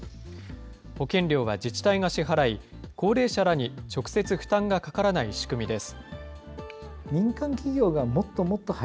保険料は自治体が支払い、高齢者らに直接負担がかからない仕組みです。